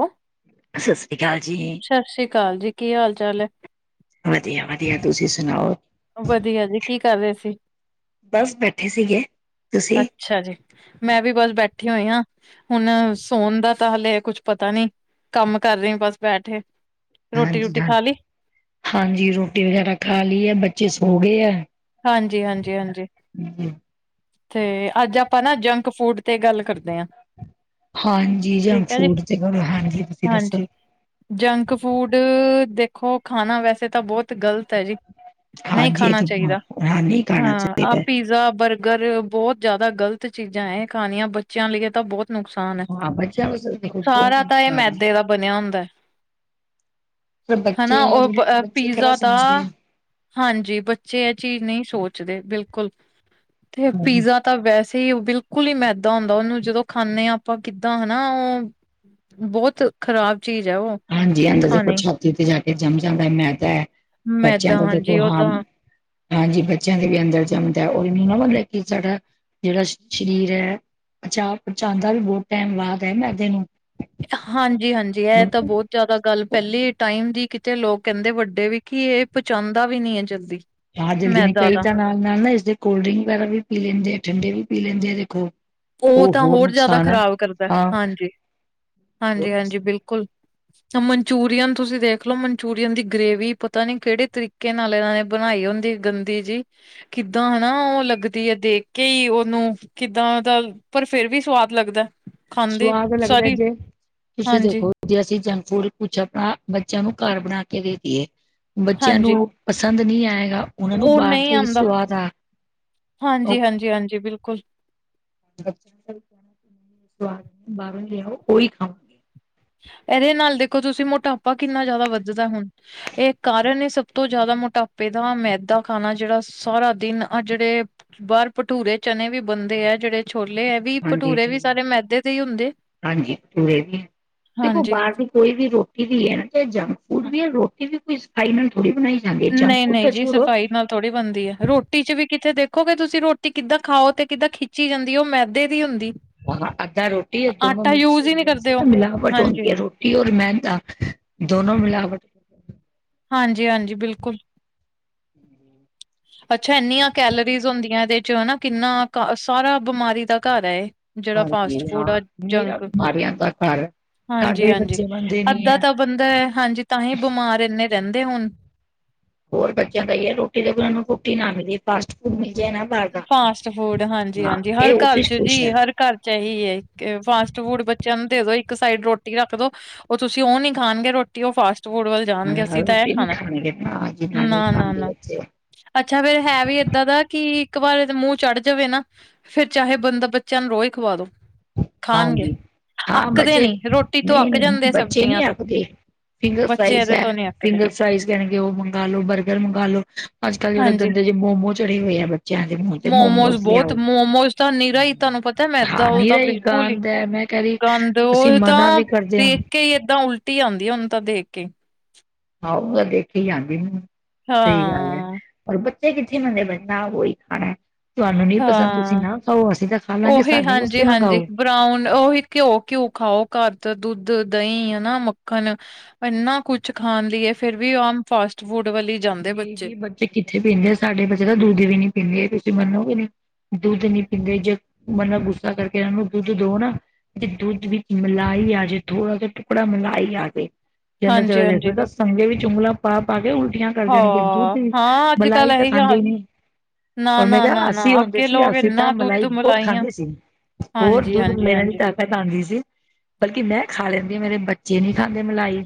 ਹੈਂ ਸਤਿ ਸ਼੍ਰੀ ਅਕਾਲ ਜੀ। ਸਤਿ ਸ਼੍ਰੀ ਅਕਾਲ ਜੀ, ਕੀ ਹਾਲ ਚਾਲ ਹੈ? ਵਧੀਆ- ਵਧੀਆ ਤੁਸੀਂ ਸੁਣਾਓ? ਵਧੀਆ ਜੀ, ਕੀ ਕਰ ਰਹੇ ਸੀ? ਬਸ ਬੈਠੇ ਸੀਗੇ। ਤੁਸੀਂ ਅੱਛਾ ਜੀ, ਮੈਂ ਵੀ ਬਸ ਬੈਠੀ ਹੋਈ ਆ। ਹੁਣ ਸੋਣ ਦਾ ਤਾਂ ਹਲੇ ਕੁੱਛ ਪਤਾ ਨੀ ਕੰਮ ਕਰ ਰੇ ਬਸ ਬੈਠੇ। ਰੋਟੀ ਹਾਂਜੀ ਰੂਟੀ ਖਾ ਹਾਂਜੀ, ਲਈ ਹਾਂਜੀ ਰੋਟੀ ਵਗੈਰਾ ਖਾ ਲਈ ਐ ਬੱਚੇ ਸੋ ਗੇ ਐ। ਹਾਂਜੀ ਹਾਂਜੀ ਹਾਂਜੀ। ਤੇ ਅੱਜ ਆਪਾਂ ਨਾ ਜੰਕ ਫੂਡ ਤੇ ਗੱਲ ਕਰਦੇ ਆ। ਹਾਂਜੀ, ਜੰਕ ਫੂਡ ਤੇ ਕਰੋ ਹਾਂਜੀ ਤੁਸੀਂ ਦੱਸੋ? ਹਾਂਜੀ ਜੰਕ ਫੂਡ ਦੇਖੋ ਖਾਣਾ ਵੈਸੇ ਤਾਂ ਬਹੁਤ ਗ਼ਲਤ ਐ ਜੀ। ਨਹੀਂ ਹਾਂਜੀ ਏ ਖਾਣਾ ਤਾਂ ਚਾਹੀਦਾ ਹਾਨੀ, ਹਾਂ ਆਹ ਪੀਜ਼ਾ ਬਰਗਰ ਬਹੁਤ ਜ਼ਿਆਦਾ ਗ਼ਲਤ ਚੀਜ਼ਾਂ ਐ ਖਾਣੀਆਂ ਬੱਚਿਆਂ ਲਈ ਤਾਂ ਬਹੁਤ ਨੁਕਸਾਨ ਐ ਹਾਂ ਬੱਚਿਆਂ ਵਾਸਤੇ ਦੇਖੋ ਬਹੁਤ ਸਾਰਾ ਤਾਂ ਏ ਨੁਕਸਾਨ ਹੈ ਮੈਦੇ ਦਾ ਬਣਿਆ ਹੁੰਦਾ। ਪਰ ਬੱਚੇ ਹਨਾ ਹੈ ਓ ਜਿਹੜੇ ਬੱਚੇ ਕਿਹੜਾ ਪੀਜ਼ਾ ਤਾਂ, ਸਮਝਦੇ ਹਾਂਜੀ, ਬੱਚੇ ਐ ਚੀਜ਼ ਨੀ ਸੋਚਦੇ ਬਿਲਕੁੱਲ ਤੇ ਆ ਪੀਜ਼ਾ ਤਾਂ ਵੈਸੇ ਈ ਓ ਬਿਲਕੁੱਲ ਈ ਮੈਦਾ ਹੁੰਦਾ ਉਹਨੂੰ ਜਦੋਂ ਖਾਂਦੇ ਆ ਆਪਾਂ ਕਿੱਦਾਂ ਹਨਾ ਓ, ਬਹੁਤ ਖ਼ਰਾਬ ਚੀਜ਼ ਐ ਓ। ਹਾਂਜੀ, ਏ ਤਾਂ ਦੇਖੋ ਛਾਤੀ ਤੇ ਜਾ ਕੇ ਜੰਮ ਜਾਂਦਾ ਮੈਦਾ। ਬੱਚਿਆਂ ਮੈਦਾ ਦਾ ਹਾਂਜੀ ਦੇਖੋ ਉਹ ਹਾਲ। ਤਾਂ ਹਾਂਜੀ, ਬੱਚਿਆਂ ਦੇ ਵੀ ਅੰਦਰ ਜੰਮਦਾ ਔਰ ਇਹਨੂੰ ਨਾ ਮਤਲਬ ਕੇ ਸਾਡਾ ਜਿਹੜਾ ਸਰੀਰ ਐ। ਅੱਛਾ, ਪਚਾਂਦਾ ਵੀ ਬੋ ਟਾਈਮ ਬਾਅਦ ਐ ਮੈਦੇ ਨੂੰ। ਹਾਂਜੀ ਹਾਂਜੀ, ਏ ਤਾਂ ਬਹੁਤ ਜ਼ਿਆਦਾ ਗੱਲ ਪਹਿਲੇ ਟਾਈਮ ਦੀ ਤੇ ਲੋਕ ਕਹਿੰਦੇ ਵੱਡੇ ਵੀ ਕਿ ਇਹ ਪਚਾਂਦਾ ਵੀ ਨੀ ਐ ਜਲਦੀ। ਹਾਂ, ਜਲਦੀ ਨੀ ਮੈਦਾ ਕਈ ਦਾ ਤਾਂ ਨਾਲ ਨਾਲ ਨਾ ਇਸਦੇ ਕੋਲਡ ਡਰਿੰਕ ਵਗੈਰਾ ਵੀ ਪੀ ਲੈਂਦੇ ਆ ਠੰਡੇ ਵੀ ਪੀ ਲੈਂਦੇ ਆ ਦੇਖੋ। ਓ ਉਹ ਤਾਂ ਹੋਰ ਜ਼ਿਆਦਾ ਨੁਕਸਾਨ ਆ ਖ਼ਰਾਬ ਕਰਦਾ ਹਾਂ ਹਾਂਜੀ ਹਾਂਜੀ ਹਾਂਜੀ ਬਿਲਕੁਲ। ਮਨਚੂਰੀਅਨ ਤੁਸੀਂ ਦੇਖ ਲੋ ਮਨਚੂਰੀਅਨ ਦੀ ਗ੍ਰੇਵੀ ਪਤਾ ਨੀ ਕਿਹੜੇ ਤਰੀਕੇ ਨਾਲ ਇਹਨਾਂ ਨੇ ਬਣਾਈ ਹੁੰਦੀ। ਗੰਦੀ ਜੀ ਕਿੱਦਾਂ ਹਨਾ ਉਹ ਲੱਗਦੀ ਐ ਦੇਖ ਕੇ ਈ ਉਹਨੂੰ ਕਿੱਦਾਂ ਪਰ ਫਿਰ ਵੀ ਸਵਾਦ ਲੱਗਦਾ। ਖਾਂਦੇ ਸੁਆਦ ਲੱਗਦਾ ਸਾਰੀ ਜੇ ਤੁਸੀਂ ਹਾਂਜੀ ਦੇਖੋ? ਜੇ ਅਸੀਂ ਜੰਕ ਫੂਡ ਕੁੱਛ ਆਪਣਾ ਬੱਚਿਆਂ ਨੂੰ ਘਰ ਬਣਾ ਕੇ ਦੇ ਦਈਏ ਬੱਚਿਆਂ ਨੂੰ ਪਸੰਦ ਨੀ ਆਏਗਾ। ਉਹਨਾਂ ਨੂੰ ਓ ਬਾਹਰ ਨਈ ਦਾ ਹੀ ਆਂਦਾ ਸਵਾਦ ਆ ਉਹ ਹਾਂਜੀ ਹਾਂਜੀ ਹਾਂਜੀ ਬਿਲਕੁਲ। ਬਾਹਰੋਂ ਲਿਆਓ ਓਹੀ ਖਾਓ। ਇਹਦੇ ਨਾਲ ਦੇਖੋ ਤੁਸੀਂ ਮੋਟਾਪਾ ਕਿੰਨਾ ਜ਼ਿਆਦਾ ਵੱਧਦਾ ਹੁਣ। ਏ ਕਾਰਨ ਸਭ ਤੋਂ ਜ਼ਿਆਦਾ ਮੋਟਾਪੇ ਦਾ ਮੈਦਾ ਖਾਣਾ ਜਿਹੜਾ ਸਾਰਾ ਦਿਨ ਅਹ ਜਿਹੜੇ ਬਾਹਰ ਭਟੂਰੇ ਚਣੇ ਵੀ ਬਣਦੇ ਐ ਜਿਹੜੇ ਛੋਲੇ ਐ ਵੀ ਹਾਂਜੀ ਭਟੂਰੇ ਜੀ, ਵੀ ਸਾਰੇ ਮੈਦੇ ਦੇ ਈ ਹੁੰਦੇ। ਹਾਂਜੀ, ਭਟੂਰੇ ਵੀ ਦੇਖੋ ਹਾਂਜੀ ਬਾਹਰ ਦੀ। ਕੋਈ ਵੀ ਰੋਟੀ ਵੀ ਐ ਨਾ ਚਾਹੇ ਜੰਕ ਫੂਡ ਵੀ ਐ ਰੋਟੀ ਵੀ ਕੋਈ ਸਫਾਈ ਨਾਲ ਥੋੜ੍ਹੀ ਬਣਾਈ ਜਾਂਦੀ ਐ ਜੰਕ ਨਹੀਂ ਫੂਡ ਨਹੀਂ ਤਾਂ ਜੀ ਛੋੜੋ। ਸਫ਼ਾਈ ਨਾਲ ਥੋੜ੍ਹੀ ਬਣਦੀ ਐ ਰੋਟੀ ਚ ਵੀ ਕਿਤੇ ਦੇਖੋਗੇ ਕਿ ਤੁਸੀਂ ਰੋਟੀ ਕਿੱਦਾਂ ਖਾਓ ਤੇ ਕਿੱਦਾਂ ਖਿੱਚੀ ਜਾਂਦੀ ਓ ਮੈਦੇ ਦੀ ਹੁੰਦੀ। ਹਾਂ, ਅੱਧਾ ਰੋਟੀ ਆ ਦੋਨੋ ਆਟਾ ਮਿਕਸ ਯੂਜ ਹੀ ਨਹੀਂ ਕਰਦੇ ਉਹ [unintelligible] ਮਿਲਾਵਟ ਹਾਂਜੀ ਹੁੰਦੀ ਐ ਰੋਟੀ ਰੋਟੀ ਔਰ ਮੈਦਾ ਦੋਨੋ ਮਿਲਾਵਟ। ਹਾਂਜੀ ਹਾਂਜੀ ਬਿਲਕੁਲ। ਅੱਛਾ, ਇੰਨੀਆਂ ਕੈਲਰੀਜ਼ ਹੁੰਦੀਆਂ ਇਹਦੇ ਚ ਹਨਾ ਕਿੰਨਾ ਸਾਰਾ ਬਿਮਾਰੀ ਦਾ ਘਰ ਐ ਏ। ਜਿਹੜਾ ਹਾਂਜੀ ਫਾਸਟ ਫੂਡ ਹਾਂ ਆ ਮੇਰਾ ਜੰਕ। ਬਿਮਾਰੀਆਂ ਦਾ ਘਰ ਹੈ। ਸਾਡੇ ਹਾਂਜੀ ਵੀ ਹਾਂਜੀ, ਬੱਚੇ ਬਣਦੇ ਨੀ ਅੱਧਾ ਹੈ ਤਾਂ ਬੰਦਾ ਐ ਹਾਂਜੀ ਤਾਂਹੀ ਬਿਮਾਰ ਇੰਨੇ ਰਹਿੰਦੇ ਹੁਣ। ਹੋਰ ਬੱਚਿਆਂ ਦਾ ਈ ਐ ਰੋਟੀ ਤੇ ਵੀ ਉਹਨਾਂ ਨੂੰ ਰੋਟੀ ਨਾ ਮਿਲੇ ਫਾਸਟ ਫੂਡ ਮਿਲ ਜਾਏ ਨਾ। ਬਾਹਰ ਦਾ ਫਾਸਟ ਫੂਡ ਹਾਂਜੀ ਹਾਂ ਹਾਂਜੀ ਹਰ ਇਹ ਉਸ ਘਰ ਚ ਖੁਸ਼ ਜੀ ਹੈ ਹਰ ਘਰ। ਏਹੀਏ ਫਾਸਟ ਫੂਡ ਬੱਚਿਆਂ ਨੂੰ ਦੇ ਦੋ ਇੱਕ ਸਾਈਡ ਰੋਟੀ ਰੱਖ ਦੋ ਉਹ ਤੁਸੀਂ ਉਹ ਨੀ ਖਾਣਗੇ ਰੋਟੀ, ਉਹ ਫਾਸਟ ਫੂਡ ਵੱਲ ਮੈਂ ਜਾਣਗੇ ਕਿਹਾ ਅਸੀਂ ਤਾਂ ਇਹ ਰੋਟੀ ਨੀ ਖਾਣਾ, ਖਾਣਗੇ ਨਾ ਜੀ ਨਹੀਂ ਨਾ -ਨਾ- ਖਾਂਦੇ ਨਾ ਬੱਚੇ ਅੱਛਾ ਫੇਰ ਹੈ ਵੀ ਇਏਦਾਂ ਦਾ ਕਿ ਇਕ ਵਾਰ ਏਦੇ ਮੂੰਹ ਚੜ ਜਾਵੇ ਨਾ, ਫੇਰ ਚਾਹੇ ਬੰਦਾ ਬੱਚਿਆਂ ਨੂੰ ਰੋਜ ਖਵਾ ਦੋ। ਖਾਣਗੇ! ਹਾਂਜੀ ਹਾਂ ਅੱਕਦੇ ਬੱਚੇ ਨੀ, ਰੋਟੀ ਤੋਂ ਨਹੀਂ ਅੱਕ ਨਹੀਂ ਜਾਂਦੇ ਬੱਚੇ ਸਬਜ਼ੀਆਂ ਨਹੀਂ ਤੋਂ ਆਖਦੇ ਫਿੰਗਰ ਬੱਚੇ ਫਰਾਈਜ਼ ਇਹਦੇ ਹੈ, ਤੋਂ ਨੀ ਅੱਕਦੇ ਫਿੰਗਰ ਫਰਾਈਜ਼ ਕਹਿਗੇ ਉਹ ਮੰਗਾਲੋ, ਬਰਗਰ ਮੰਗਾਲੋ, ਅੱਜ- ਕੱਲ੍ਹ ਜਿਹੜੇ ਹਾਂਜੀ ਗੰਦੇ ਜੇ ਮੋਮੋ ਚੜੇ ਹੋਏ ਆ ਬੱਚਿਆਂ ਦੇ ਮੂੰਹ ਤੇ, ਮੋਮੋ ਮੋਮੋਸ ਲਿਆਓ ਬਹੁਤ ਹ ਮੋਮੋਸ ਤਾਂ ਨਿਰਾ ਹੀ ਤੁਹਾਨੂੰ ਪਤਾ ਮੈਦਾ ਉਹ ਤਾਂ ਨਿਰਾ ਹੀ ਬਿਲਕੁਲ ਗੰਦ ਹੈ, ਮੈਂ ਕਹਿ ਰੀ ਗੰਦ ਅਸੀਂ ਉਹ ਮਨਾ ਤਾਂ ਵੀ ਕਰਦੇ ਹਾਂ ਦੇਖ ਕੇ ਏਦਾਂ ਉਲਟੀ ਆਉਂਦੀ ਹੈ ਹੁਣ ਤਾਂ ਦੇਖ ਕੇ ਆਹੋ ਤਾਂ ਦੇਖੀ ਜਾਂਦੀ ਹੈ ਮੈਨੂੰ, ਸਹੀ ਗੱਲ ਹੈ। [unintelligible] ਹਾਂ ਪਰ ਬੱਚੇ ਕਿੱਥੇ ਮੰਨਦੇ ਓਹੀ ਖਾਣਾ [unintelligible] ਤੁਹਾਨੂੰ ਨੀ ਪਸੰਦ ਤੁਸੀਂ ਹਾਂ ਨਾ ਖਾਓ, ਅਸੀਂ ਤਾਂ ਖਾ ਲਾਂਗੇ ਉਹੀ ਸਾਡੇ ਹਾਂਜੀ ਵਾਸਤੇ ਹਾਂਜੀ ਮੰਗਾਓ। ਬਰਾਊਨ, ਉਹੀ ਘਿਓ- ਘਿਓ ਖਾਓ। ਘਰ ਦਾ ਦੁੱਧ, ਦਹੀਂ ਹਨਾ ਮੱਖਣ ਇੰਨਾ ਕੁਛ ਖਾਣ ਲਈ ਹੈ ਫੇਰ ਵੀ ਆਮ ਫਾਸਟ ਫੂਡ ਵਾਲੀ- ਨਹੀਂ ਜੀ ਬੱਚੇ ਕਿੱਥੇ ਪੀਂਦੇ ਆ ਸਾਡੇ ਬੱਚੇ ਤਾਂ ਦੁੱਧ ਵੀ ਨੀ ਪੀਂਦੇ ਤੁਸੀਂ ਮੰਨੋਗੇ ਨੀ ਦੁੱਧ ਨਹੀ ਪੀਂਦੇ ਜੇ ਮਤਲਬ ਗੁੱਸਾ ਕਰਕੇ ਇਹਨਾਂ ਨੂੰ ਦੁੱਧ ਦਓ ਨਾ ਤੇ ਦੁੱਧ ਵਿੱਚ ਮਲਾਈ ਆ ਜੇ, ਥੋੜਾ ਜਿਹਾ ਟੁਕੜਾ ਮਲਾਈ ਆ ਜੇ ਜੇ ਅੰਦਰ ਹਾਂਜੀ ਚਲ ਜੇ ਹਾਂਜੀ ਫਿਰ ਤਾਂ ਸੰਗੇ ਵੀ ਉਗਲਾਂ ਪਾ- ਪਾ ਕੇ ਉਲਟੀਆਂ- -ਕਰ ਦੇਣਗੇ। ਹਾਂ ਦੁੱਧ ਹਾਂ ਅੱਜ ਕੱਲ ਮਲਾਈ ਤਾਂ ਇਹੀ ਹਾਲ ਖਾਂਦੇ ਨਹੀਂ- ਨਾ, ਓਰ ਮੈਂ ਨਾ, ਕਿਹਾ, ਨਾ, ਅੱਸੀ ਨਾ ਹੁੰਦੇ ਅੱਗੇ ਸੀ ਲੋਕ ਅੱਸੀਂ ਤਾਂ ਇੰਨਾ ਦੁੱਧ ਮਲਾਈ ਬਹੁਤ ਮਲਾਈਆਂ ਖਾਂਦੇ ਸੀ। ਹੋਰ ਹਾਂਜੀ, ਦੁੱਧ ਹਾਂਜੀ, ਹਾਂਜੀ। [unintelligible] ਆਉਂਦੀ ਸੀ। ਬਲਕਿ ਮੈਂ ਖਾ ਲੈਂਦੀ ਆ ਮੇਰੇ ਬੱਚੇ ਨਹੀ ਖਾਂਦੇ ਮਲਾਈ।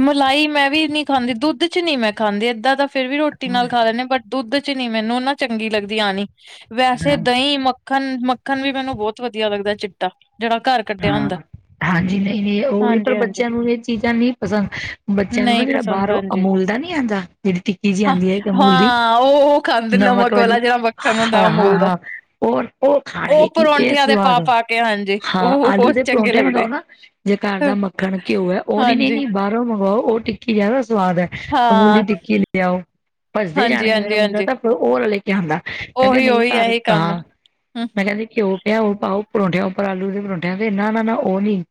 ਮਲਾਈ ਮੈਂ ਵੀ ਨੀ ਖਾਂਦੀ ਦੁੱਧ 'ਚ ਨਹੀ ਮੈਂ ਖਾਂਦੀ ਏਦਾਂ ਤਾਂ ਫੇਰ ਵੀ ਰੋਟੀ ਹਾਂ ਨਾਲ ਖਾ ਲੈਂਦੇ ਬਟ ਦੁੱਧ 'ਚ ਨੀ ਮੈਨੂੰ ਨਾ ਚੰਗੀ ਲੱਗਦੀ ਆਉਣੀ ਵੈਸੇ ਹਾਂ ਦਹੀਂ, ਮ ਮੱਖਣ, ਮੱਖਣ ਵੀ ਮੈਨੂੰ ਬਹੁਤ ਵਧੀਆ ਲੱਗਦਾ ਚਿੱਟਾ ਜਿਹੜਾ ਘਰ- ਕੱਢਿਆ ਹੁੰਦਾ ਹਾਂ, ਹਾਂਜੀ ਨਹੀਂ -ਨਹੀਂ ਉਹ ਈ ਹਾਂਜੀ, ਪਰ ਹਾਂਜੀ ਬੱਚਿਆਂ ਨੂੰ ਇਹ ਚੀਜ਼ਾਂ ਨਹੀਂ ਪਸੰਦ। ਬੱਚਿਆਂ ਨੂੰ ਨਾ ਨਹੀਂ ਜਿਹੜਾ ਪਸੰਦ ਬਾਹਰੋ ਹਾਂਜੀ। ਅਮੂਲ ਦਾ ਨੀ ਆਉਂਦਾ ਜਿਹੜੀ ਟਿੱਕੀ ਜਿਹੀ ਹਾਂ, ਆਉਂਦੀ ਹੈ ਇੱਕ ਅਮੂਲ ਦੀ- ਹਾਂ ਉਹ ਉਹ ਖਾਂਦੇ ਨਮਕ ਵਾਲਾ ਵਾਲੀ ਜਿਹੜਾ ਹਾਂ- ਮੱਖਣ ਹੁੰਦਾ ਹਾਂ- ਅਮੂਲ ਦਾ। ਹਾਂ ਹੋਰ ਉਹ ਖਾਣਗੇ ਕੀ ਇਹ ਪਰੌਂਠਿਆਂ ਦੇ ਸਵਾਦ ਪਾ ਹੈ। ਪਾ ਹਾਂਜੀ ਹਾਂ ਉਹ [unintelligible] ਆਲੂ ਦੇ ਚੰਗੇ ਪਰੌਂਠੇ ਲੱਗਦੇ। ਮੰਗਵਾਓ ਨਾ ਜੇ ਘਰ ਦਾ ਹਾਂਜੀ, ਮੱਖਣ ਘਿਓ ਹੈ ਉਹ ਹਾਂ ਨੀ ਨਹੀਂ ਹਾਂਜੀ, ਨੀ ਬਾਹਰੋਂ ਮੰਗਵਾਓ ਉਹ ਟਿੱਕੀ ਜਾਦਾ ਸਵਾਦ ਹੈ ਅਮੂਲ ਦੀ ਟਿੱਕੀ ਲਿਆਓ ਭੱਜਦੇ ਹਾਂਜੀ, ਜਾਣਗੇ ਮੇਰਾ ਮੁੰਡਾ ਹਾਂਜੀ। ਤਾਂ ਹੋਰ ਲੈ ਕੇ ਆਉਂਦਾ ਮੈਂ ਕਿਹਾ ਉਹੀ ਨਹੀਂ ਉਹੀ ਘਰ ਇਹੀ ਕੰਮ ਤਾਂ ਹੂੰ ਮੈਂ ਕਹਿੰਦੀ ਘਿਓ ਪਿਆ ਉਹ ਪਾਓ ਪਰੌਂਠਿਆਂ ਉੱਪਰ ਆਲੂ ਦੇ ਪਰੌਂਠਿਆਂ ਤੇ ਨਾ -ਨਾ -ਨਾ ਉਹ ਨਈ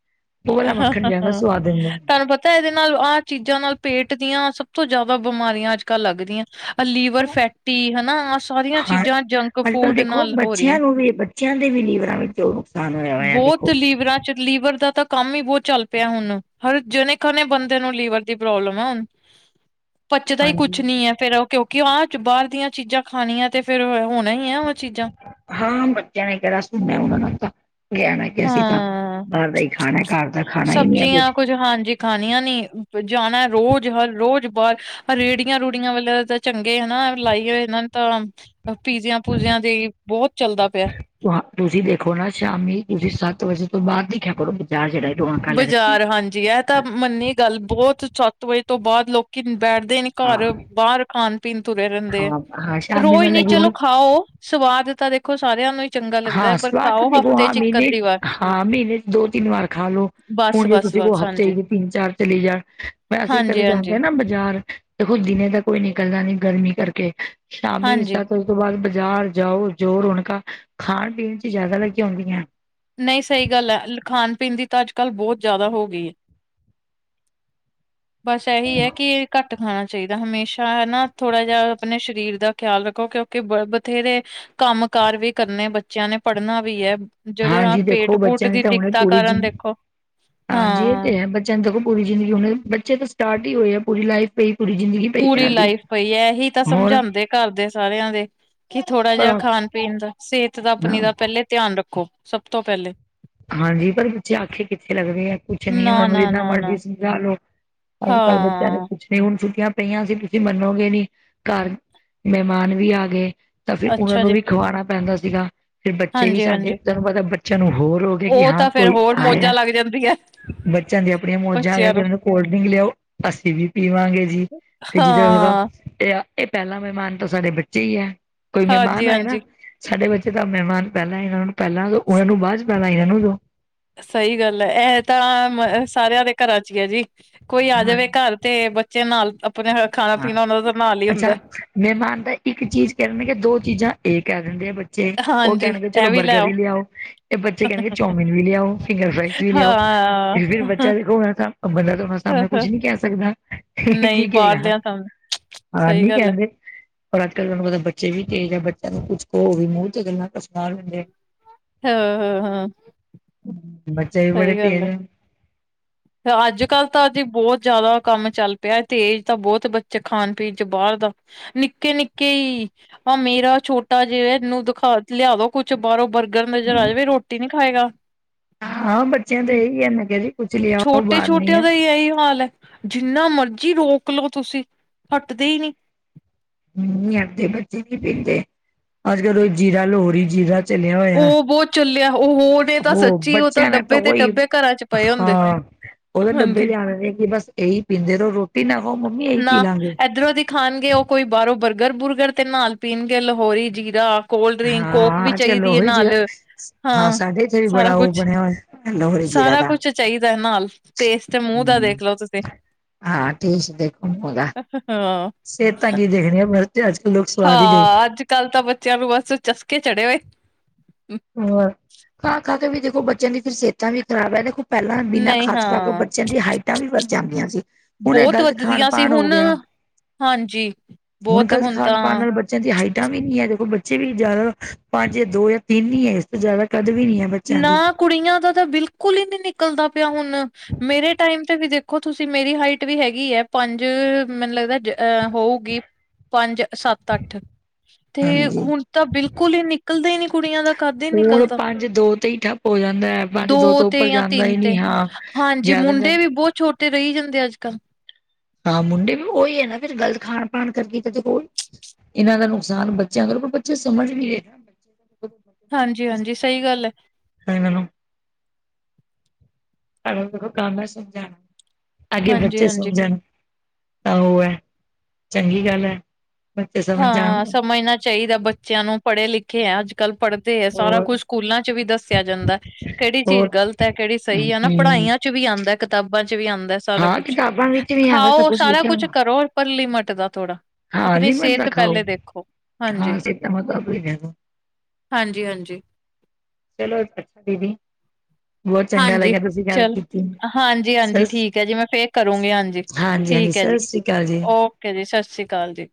ਉਹ ਵਾਲਾ ਮੱਖਣ ਜਿਆਦਾ ਸੁਵਾਦ ਦਿੰਦਾ। ਤਾਂ ਇਹਦੇ ਨਾਲ ਆਹ ਚੀਜ਼ਾਂ ਨਾਲ ਪੇਟ ਦੀਆਂ ਸਭ ਤੋਂ ਜ਼ਿਆਦਾ ਬਿਮਾਰੀਆਂ ਅੱਜ- ਕੱਲ ਲੱਗਦੀਆਂ ਆ ਲੀਵਰ ਫੈਟੀ ਹਨਾ ਆ ਸਾਰੀਆਂ ਹਾਂ ਚੀਜ਼ਾਂ ਜੰਕ ਅੱਜ ਕੱਲ੍ਹ ਫੂਡ ਦੇਖੋ ਨਾਲ ਹੋ ਬੱਚਿਆਂ ਰਹੀਆਂ। ਨੂੰ ਵੀ ਬੱਚਿਆਂ ਦੇ ਵੀ ਲੀਵਰਾਂ ਵਿੱਚ ਦੇਖੋ ਜੋ ਨੁਕਸਾਨ ਹੋਇਆ ਹੋਇਆ ਬਹੁਤ ਦੇਖੋ। ਲੀਵਰਾਂ 'ਚ ਲੀਵਰ ਦਾ ਤਾਂ ਕੰਮ ਹੀ ਬਹੁਤ ਚੱਲ ਪਿਆ ਹੁਣ, ਹਰ ਜਣੇ -ਖਣੇ ਬੰਦੇ ਨੂੰ ਲੀਵਰ ਦੀ ਪ੍ਰੋਬਲਮ ਹੈ ਹੁਣ। ਪੱਚਦਾ ਹੀ ਕੁਛ ਹਾਂਜੀ ਨੀ ਹੈ ਫੇਰ ਉਹ ਕਿਉਂਕਿ ਹਾਂ ਬਾਹਰ ਦੀਆਂ ਚੀਜ਼ਾਂ ਖਾਣੀਆਂ ਤੇ ਫੇਰ ਹੋਣਾ ਹੀ- -ਉਹ ਚੀਜ਼ਾਂ- ਹਾਂ, ਬੱਚਿਆਂ ਨੇ ਕਿਹੜਾ ਸੁਣਿਆ ਉਹਨਾਂ ਨੂੰ ਤਾਂ- ਕਹਿਣਾ ਕਿ ਅਸੀਂ ਤਾਂ, ਹਾਂ ਬਾਹਰ ਦਾ ਹੀ ਖਾਣਾ ਘਰ ਦਾ ਖਾਣਾ ਹੀ ਨਹੀ ਹੈ ਕੁੱਝ ਹਾਂਜੀ ਖਾਣੀਆਂ ਨੇ ਫਿਰ ਜਾਣਾ ਰੋਜ਼ ਹਰ ਰੋਜ਼ ਬਾਹਰ ਰੇਹੜੀਆਂ ਰੂੜੀਆਂ ਵਾਲੇਆਂ ਤਾਂ ਚੰਗੇ ਹਨਾ ਲਾਈ ਹੋਏ ਇਹਨਾਂ ਨੇ ਤਾਂ ਪੀਜ਼ਿਆਂ ਪੂਜਿਆਂ ਦੇ ਬਹੁਤ ਚਲਦਾ ਪਿਆ ਤੁਸੀਂ ਦੇਖੋ ਨਾ ਸ਼ਾਮੀ ਤੁਸੀਂ ਸੱਤ ਵਜੇ ਤੋਂ ਬਾਅਦ ਦੇਖਿਆ ਕਰੋ ਬਾਜ਼ਾਰ ਜਿਹੜਾ ਰੌਣਕਾਂ ਲੱਗਦੀਆਂ ਬਾਜ਼ਾਰ ਹਾਂਜੀ ਇਹ ਤਾਂ ਮੰਨੀ ਗੱਲ ਬਹੁਤ ਸੱਤ ਵਜੇ ਤੋਂ ਬਾਅਦ ਲੋਕੀ ਬੈਠਦੇ ਨੀ ਹਾਂ ਘਰ ਬਾਹਰ ਖਾਣ ਪੀਣ ਤੁਰੇ ਰਹਿੰਦੇ ਆ ਹਾਂ ਹਾਂ ਸ਼ਾਮੀ ਰੋਜ਼ ਨੀ ਮਤਲਬ ਕਿ ਚਲੋ ਹੁਣ ਖਾਓ ਸਵਾਦ ਤਾਂ ਦੇਖੋ ਸਾਰਿਆਂ ਨੂੰ ਹੀ ਚੰਗਾ ਲੱਗਦਾ ਹੈ ਹਾਂ ਪਰ ਸਲਾਦ ਤਾਂ ਖਾਓ ਦੇਖੋ ਹਫ਼ਤੇ ਹਾਂ ਚ ਇੱਕ ਮਹੀਨੇ ਅੱਧੀ ਵਾਰ ਹਾਂ ਮਹੀਨੇ ਚ ਦੋ ਤਿੰਨ ਵਾਰ ਖਾ ਲੋ ਬਸ ਹੁਣ ਜੇ ਬਸ ਤੁਸੀਂ ਕੋਲ ਬਸ ਹਫ਼ਤੇ ਹਾਂਜੀ ਜ ਤਿੰਨ ਚਾਰ ਚਲੇ ਜਾਣ ਵੈਸੇ ਅਸੀਂ ਕਦੇ ਹਾਂਜੀ ਜਾਂਦੇ ਹਾਂਜੀ ਹਾਂ ਨਾ ਬਾਜ਼ਾਰ ਦੇਖੋ ਦਿਨੇ ਤੱਕ ਕੋਈ ਨਿਕਲਦਾ ਨੀ ਗਰਮੀ ਕਰਕੇ ਸ਼ਾਮੀ ਇਸ ਹਾਂਜੀ ਤ ਉਸ ਤੋਂ ਬਾਅਦ ਬਾਜ਼ਾਰ ਜਾਓ ਜੋ ਰੌਣਕਾਂ ਖਾਣ ਪੀਣ ਚ ਜਿਆਦਾ ਲੱਗੀਆਂ ਹੁੰਦੀਆਂ ਨਹੀਂ ਸਹੀ ਗੱਲ ਹੈ ਖਾਣ ਪੀਣ ਦੀ ਤਾਂ ਅੱਜ ਕੱਲ੍ਹ ਬਹੁਤ ਜ਼ਿਆਦਾ ਹੋ ਗਈ ਹੈ ਬਸ ਇਹੀ ਹੈ ਕਿ ਘੱਟ ਖਾਣਾ ਚਾਹੀਦਾ ਹਮੇਸ਼ਾ ਹਨਾ ਥੋੜ੍ਹਾ ਜਿਹਾ ਆਪਣੇ ਸਰੀਰ ਦਾ ਖਿਆਲ ਰੱਖੋ ਕਿਉਂਕਿ ਬ ਬਥੇਰੇ ਕੰਮ ਕਾਰ ਵੀ ਕਰਨੇ ਬੱਚਿਆਂ ਨੇ ਪੜ੍ਹਨਾ ਵੀ ਐ ਜਿਹੜੇ ਆ ਹਾਂਜੀ ਪੇਟ ਦੇਖੋ ਪੂਟ ਬੱਚਿਆਂ ਨੇ ਦੀ ਤਾਂ ਹੁਣੇ ਦਿੱਕਤਾਂ ਪੂਰੀ ਜਿ ਕਾਰਨ ਦੇਖੋ ਹਾਂ ਤ ਪੂਰੀ ਜ਼ਿੰਦਗੀ ਹ ਬੱਚੇ ਤਾਂ ਸਟਾਰਟ ਹੀ ਹੋਏ ਆ ਪੂਰੀ ਲਾਈਫ ਪਈ ਪੂਰੀ ਜ਼ਿੰਦਗੀ ਪਈ ਪੂਰੀ ਇਹਨਾਂ ਦੀ ਲਾਈਫ ਪਈ ਹੈ ਇਹੀ ਤਾਂ ਹੋਰ ਸਮਝਾਉਦੇ ਘਰ ਦੇ ਸਾਰਿਆਂ ਦੇ ਕਿ ਥੋੜ੍ਹਾ ਜਿਹਾ ਹੋਰ, ਖਾਣ ਪੀਣ ਦਾ ਸਿਹਤ ਦਾ ਹਾਂ ਆਪਣੀ ਦਾ ਪਹਿਲੇ ਧਿਆਨ ਰੱਖੋ ਸਭ ਤੋਂ ਪਹਿਲੇ ਹਾਂਜੀ ਪਰ ਬੱਚੇ ਆਖੇ ਕਿੱਥੇ ਲੱਗਦੇ ਹੈ ਕੁਛ ਨੀ ਨਾ ਉਹਨਾਂ ਨੂੰ ਨਾ ਜਿੰਨਾ ਨਾ ਨਾ ਮਰਜ਼ੀ ਸਮਝਾ ਲੋ ਅੱਜ ਕੱਲ੍ਹ ਬੱਚਿਆਂ ਨੇ ਹਾਂ ਕੁੱਛ ਤੇ ਹੁਣ ਛੁੱਟੀਆਂ ਪਈਆਂ ਸੀ ਤੁਸੀਂ ਮੰਨੋਗੇ ਨੀ ਘਰ ਮਹਿਮਾਨ ਵੀ ਆ ਗਏ ਤਾਂ ਫਿਰ ਉਹਨਾਂ ਅੱਛਾ ਨੂੰ ਜੀ ਵੀ ਖਵਾਉਣਾ ਪੈਂਦਾ ਸੀਗਾ ਫਿਰ ਬੱਚੇ ਵੀ ਹਾਂਜੀ ਸਾਡੇ ਹਾਂਜੀ ਤੁਹਾਨੂੰ ਪਤਾ ਬੱਚਿਆਂ ਨੂੰ ਹੋਰ ਗਏ ਕਿ ਉਹ ਹਾਂ ਤਾਂ ਫੇਰ ਕੋਈ ਹੋਰ ਮੌਜਾਂ ਆਇਆ ਲੱਗ ਜਾਂਦੀਆਂ ਬੱਚਿਆਂ ਦੀਆਂ ਆਪਣੀਆਂ ਮੌਜਾਂ ਬੱਚਿਆਂ ਨੂੰ ਕਹਿੰਦੇ ਨੇ ਕੋਲਡ ਡਰਿੰਕ ਲਿਆਓ ਅਸੀਂ ਵੀ ਪੀਵਾਂਗੇ ਜੀ ਫਿਰ ਜਿਧਰ ਹੋਗਾ ਹਾਂ ਤੇ ਇਹ ਪਹਿਲਾਾਂ ਮਹਿਮਾਨ ਤਾਂ ਸਾਡੇ ਬੱਚੇ ਹੀ ਹੈ ਕੋਈ ਹਾਂਜੀ ਮਹਿਮਾਨ ਆਏ ਹਾਂਜੀ ਨਾ ਸਾਡੇ ਬੱਚੇ ਤਾਂ ਮਹਿਮਾਨ ਪਹਿਲਾਂ ਇਹਨਾਂ ਨੂੰ ਪਹਿਲਾਂ ਉਹਨਾਂ ਨੂੰ ਬਾਅਦ ਚ ਪੈਲ ਇਹਨਾਂ ਨੂੰ ਦੋ ਸਹੀ ਗੱਲ ਹੈ ਇਹ ਤਾਂ ਸਾਰਿਆਂ ਦੇ ਘਰਾਂ ਚ ਹੀ ਹੈ ਜੀ ਕੋਈ ਆ ਹਾਂ ਜਾਵੇ ਘਰ ਤੇ ਬੱਚੇ ਨਾਲ ਆਪਣਾ ਖਾਣਾ ਹਾਂ ਪੀਣਾ ਉਹਨਾ ਦਾ ਤਾਂ ਨਾਲ ਹੀ ਅੱਛਾ ਹੁੰਦਾ। ਮਹਿਮਾਨ ਤਾਂ ਇੱਕ ਚੀਜ਼ ਕਹਿਦੇ ਆ ਦੋ ਚੀਜ਼ਾਂ ਇਹ ਕਹਿ ਦਿੰਦੇ ਆ ਬ ਬੱਚੇ ਉਹ ਹਾਂਜੀ ਕਹਿਣਗੇ ਚਲੋ ਇਹ ਲੈ ਬਰਗਰ ਵੀ ਆਓ ਲਿਆਓ ਤੇ ਬੱਚੇ ਕਹਿਣਗੇ ਚੌਮਿਨ ਵੀ ਲਿਆਓ ਫਿੰਗਰ ਫਰਾਈ ਤੁਸੀ ਵੀ ਲਿਆਓ ਹਾਂ। ਫਿਰ ਬੱਚਾ ਦੇਖੋ ਤਾਂ ਬੰਦਾ ਤਾਂ ਉਹਨਾਂ ਸਾਹਮਣੇ ਕੁਛ ਨੀ ਕਹਿ ਸਕਦਾ ਠੀਕ ਹ ਨਹੀਂ ਠੀਕ ਹ ਯਾਰ ਬਾਹਰਲਿਆਂ ਸਾਨੂੰ ਆ ਸਹੀ ਨੀ ਗੱਲ ਹੈ ਕਹਿੰਦੇ ਪਰ ਅੱਜ ਕੱਲ੍ਹ ਤੁਹਾਨੂੰ ਪਤਾ ਬੱਚੇ ਵੀ ਤੇਜ ਆ ਬੱਚਿਆਂ ਨੂੰ ਕੁਛ ਕਹੋ ਵੀ ਮੂੰਹ ਤੇ ਗੱਲਾਂ ਸੁ ਲੈਂਦੇ ਹਾਂ ਹਾਂ ਹਾਂ ਤੇ ਬੱਚੇ ਬੜੇ ਸਹੀ ਗੱਲ ਤੇਜ਼ ਹੈ। ਹਨ ਅੱਜ ਕੱਲ੍ਹ ਤਾਂ ਜ ਬਹੁਤ ਜ਼ਿਆਦਾ ਕੰਮ ਚੱਲ ਪਿਆ ਤੇਜ ਤਾਂ ਬਹੁਤ ਬੱਚੇ ਖਾਣ ਪੀਣ ਚ ਬਾਹਰ ਦਾ ਨਿੱਕੇ ਨਿੱਕੇ ਹੀ ਆ ਮੇਰਾ ਛੋਟਾ ਜਿਹਾ ਇਹਨੂੰ ਦਿਖਾ ਲਿਆ ਦੋ ਕੁਛ ਬਾਹਰੋਂ ਬਰਗਰ ਨਜ਼ਰ ਆ ਜਾਵੇ ਰੋਟੀ ਨੀ ਖਾਏਗਾ। ਆ ਹਾਂ ਬੱਚਿਆਂ ਦਾ ਤਾਂ ਇਹੀ ਹੈ ਮੈਂ ਕਿਹਾ ਜੀ ਕੁਛ ਲਿਆ। ਛੋਟੇ ਛੋਟਿਆਂ ਦਾ ਹੀ ਇਹੀ ਹਾਲ ਹੈ ਜਿੰਨਾ ਮਰਜ਼ੀ ਰੋਕ ਲਓ ਤੁਸੀਂ ਹਟਦੇ ਹੀ ਨਹੀਂ ਨਹੀਂ ਆਦੇ ਬੱਚੇ ਨੀ ਪੀਂਦੇ ਅੱਜ ਕੱਲ ਉਹ ਜੀਰਾ ਲੋਹਰੀ ਜੀਰਾ ਚਲਿਆ ਹੋਇਆ ਉਹ ਬਹੁਤ ਚੁੱਲਿਆ ਉਹ ਹੋਰ ਉਹ ਬੱਚਿਆਂ ਦਾ ਤਾਂ ਉਹੀ ਚ ਪਏ ਹੁੰਦੇ ਹਾਂ ਉਹਦੇ ਡੱਬੇ ਹਾਂਜੀ ਲਿਆਣੇ ਨੇ ਕਿ ਬਸ ਇਹੀ ਪੀਂਦੇ ਰਹੋ ਰੋਟੀ ਨਾ ਖਾਓ ਮੰਮੀ ਇਹੀ ਪੀ ਨਾ ਲਾਂਗੇ। ਇੱਧਰੋਂ ਦੀ ਖਾਣਗੇ ਉਹ ਕੋਈ ਬਾਹਰੋਂ ਬਰਗਰ- ਬੁਰਗਰ ਤੇ ਨਾਲ ਪੀਣਗੇ ਲਹੋਰੀ ਜੀਰਾ। ਕੋਲਡ ਡਰਿੰਕ ਕੋਕ ਵੀ ਹਾਂ ਅੱਜ ਚਾਹੀ- ਕੱਲ ਦੀ ਹੈ ਲੋਹੇ ਜੀਰਾ ਨਾਲ ਹਾਂ ਸਾਡੇ ਇੱਥੇ ਵੀ ਸਾਰਾ ਬੜਾ ਉਹ ਕੁਛ- ਬਣਿਆ ਹੋਇਆ ਲੋਹੇ ਜੀਰਾ ਸਾਰਾ ਕੁਛ ਚ- ਚਾਹੀਦਾ ਨਾਲ, ਤੇ- ਮੂੰਹ ਦਾ ਹੁੰ ਦੇਖਲੋ ਤੁਸੀਂ ਹਾਂ ਠੀ ਸੀ ਦੇਖਣ ਨੂੰ ਹੋਂਦਾ। ਹ ਹਾਂ ਸਿਹਤਾਂ ਕੀ ਦੇਖਣੀਆਂ ਮਤ ਅੱਜ ਕੱਲ ਲੋਕ ਸਵਾਦ ਹੀ ਦੇਖਦੇ। ਕੱਲ ਤਾਂ ਬੱਚਿਆਂ ਨੂੰ ਬਸ ਚਸਕੇ ਚੜੇ ਹੋਏ। ਹੁੰ ਖਾ- ਖਾ ਕੇ ਵੀ ਦੇਖੋ ਬੱਚਿਆਂ ਦੀ ਫੇਰ ਸਿਹਤਾਂ ਵੀ ਖ਼ਰਾਬ ਹੈ, ਦੇਖੋ। ਪਹਿਲਾਂ ਬਿਨਾਂ ਨਹੀਂ ਖਾਸ ਕਰਕੇ ਹਾਂ ਬੱਚਿਆਂ ਦੀ ਹਾਈਟਾਂ ਵੀ ਵੱਧ ਜਾਂਦੀਆਂ ਸੀ। ਹੁਣ ਇਹ ਬਹੁਤ ਗ਼ਲਤ ਖਾਣ- ਵੱਧਦੀਆਂ ਸੀ ਪਾਣ ਹੋ ਗਿਆ। ਹੁਣ ਹਾਂਜੀ ਬਹੁਤ ਗ਼ਲਤ ਹੁਣ ਖਾਣ ਤਾਂ ਪਾਣ ਹਾਂ। ਨਾਲ ਬੱਚਿਆਂ ਦੀ ਹਾਈਟਾਂ ਵੀ ਨੀ ਹੈ ਦੇਖੋ ਬੱਚੇ ਵੀ ਜ਼ਿਆਦਾ ਪੰਜ, ਦੋ ਜਾਂ ਤਿੰਨ ਹੀ ਹੈ ਇਸ ਤੋਂ ਜ਼ਿਆਦਾ ਕਦ ਵੀ ਨੀ ਹੈ। ਬੱਚਿਆਂ ਦੀ ਨਾ ਕੁੜੀਆਂ ਦਾ ਤਾਂ ਬਿਲਕੁਲ ਹੀ ਨਹੀਂ ਨਿਕਲਦਾ ਪਿਆ ਹੁਣ। ਮੇਰੇ ਟਾਈਮ ਤੇ ਵੀ ਦੇਖੋ ਤੁਸੀਂ ਮੇਰੀ ਹਾਈਟ ਵੀ ਹੈਗੀ ਹੈ। ਪੰਜ ਮੈਨੂੰ ਲੱਗਦਾ ਜ ਹੋਊ। ਗੀ ਪੰਜ ਸੱਤ, ਅੱਠ। ਤੇ ਹਾਂਜੀ ਹੁਣ ਤਾਂ ਬਿਲਕੁਲ ਹੀ ਨਿਕਲਦੇ ਹੀ ਨੀ ਕੁੜੀਆਂ ਦਾ ਕੱਦ ਨੀ- ਹੁਣ ਪੰਜ ਦੋ ਤੇ ਹੀ ਠੱਪ। ਹੋ ਜਾਂਦਾ ਹੈ। ਪੰਜ ਦੋ ਤੋਂ ਤੇ ਉੱਪਰ ਜਾਂ ਜਾਂਦਾ ਤਿੰਨ ਹੀ ਤੇ ਨਹੀਂ ਹਾਂ ਹਾਂਜੀ, ਜ਼ਿਆਦਾ ਮੁੰਡੇ ਵੀ ਬਹੁਤ ਛੋਟੇ ਰਹੀ ਜਾਂਦੇ ਅੱਜ ਕੱਲ। ਹਾਂ ਮੁੰਡੇ ਵੀ ਉਹੀ ਹੈ ਨਾ ਫੇਰ ਗ਼ਲਤ ਖਾਣ- ਪਾਣ ਕਰਕੇ ਤਾਂ ਕੋਲ ਇਹਨਾਂ ਦਾ ਨੁਕਸਾਨ ਬੱਚਿਆਂ ਕਰ ਪਰ ਬੱਚੇ ਸਮਝ ਨੀ ਰਹੇ। ਬ- ਹਾਂਜੀ- ਹਾਂਜੀ ਸਹੀ ਗੱਲ ਹੈ। ਤਾਂ ਇਹਨਾਂ ਨੂੰ। ਸਾਡਾ ਦੇਖੋ ਕੰਮ ਹੈ ਸਮ ਜਾਣਾ, ਅੱਗੇ ਹਾਂਜੀ ਬੱਚੇ ਹਾਂਜੀ ਸਮ ਜਾਣ। ਤਾਂ ਉਹ ਹੈ, ਚੰਗੀ ਗੱਲ ਹੈ। ਬੱਚੇ ਸਮਝ ਜਾਣ ਹਾਂ ਸਮਝਣਾ ਚਾਹੀਦਾ ਬੱਚਿਆਂ ਨੂੰ ਪੜੇ ਲਿਖੇ ਹੈ ਅੱਜ- ਕੱਲ ਪੜਦੇ ਹੈ, ਸਾਰਾ ਹੋਰ ਕੁੱਛ ਸਕੂਲਾਂ ਚ ਵੀ ਦੱਸਿਆ ਜਾਂਦਾ। ਕਿਹੜੀ ਚੀਜ਼ ਹੋਰ ਗ਼ਲਤ ਹੈ, ਕਿਹੜੀ ਸਹੀ ਹੈ ਨਾ ਹਮ ਪੜਾਈਆਂ ਚ ਵੀ ਆਉਂਦਾ, ਕਿਤਾਬਾਂ ਚ ਵੀ ਆਉਂਦਾ। ਸਾਰਾ ਹਾਂ ਕੁਛ, ਕਿਤਾਬਾਂ ਵਿੱਚ ਵੀ ਹੈਗਾ ਸਭ ਖਾਓ ਸਾਰਾ ਲਿਖਿਆ ਕੁਛ ਹੋਇਆ ਕਰੋ ਪਰ ਲਿਮਟ ਦਾ ਥੋੜਾ। ਹਾਂ ਆਪਣੀ ਲੀਮੜ ਦਾ ਸਿਹਤ ਖਾਓ, ਪਹਿਲੇ ਦੇਖੋ ਹਾਂਜੀ ਹਾਂ ਸੇਤਾ ਵਧਾਓ- ਹਾਂਜੀ- ਹਾਂਜੀ। ਚਲੋ ਅੱਛਾ ਦੀਦੀ। ਬਹੁਤ ਚੰਗਾ ਹਾਂਜੀ ਲੱਗਿਆ ਤੁਸੀਂ ਗੱਲ ਚਲ ਕੀਤੀ ਹਾਂਜੀ- ਹਾਂਜੀ ਸਸ ਠੀਕ ਹੈ ਜੀ ਮੈਂ ਫੇਰ ਕਰੂੰਗੀ ਹਾਂਜੀ। ਹਾਂਜੀ- ਹਾਂਜੀ ਠੀਕ ਹੈ ਜੀ ਸਤਿ ਸ਼੍ਰੀ ਅਕਾਲ ਜੀ। ਓਕੇ ਜੀ ਸਤਿ ਸ਼੍ਰੀ ਅਕਾਲ ਜੀ।